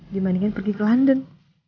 dimandingkan pergi ke london